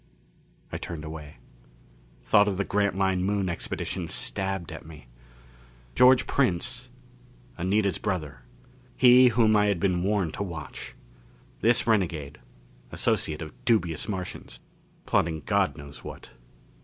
I turned away. Thought of the Grantline Moon Expedition stabbed at me. George Prince Anita's brother he whom I had been warned to watch. This renegade associate of dubious Martians, plotting God knows what.